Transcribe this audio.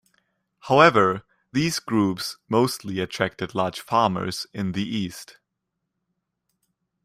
However, these groups mostly attracted large farmers in the east.